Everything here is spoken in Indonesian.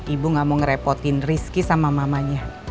ibu gak mau ngerepotin rizky sama mamanya